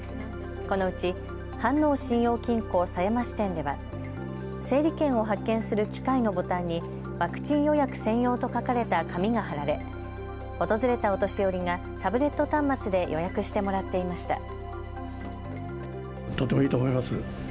このうち飯能信用金庫狭山支店では整理券を発券する機械のボタンにワクチン予約専用と書かれた紙が貼られ、訪れたお年寄りがタブレット端末で予約してもらっていました。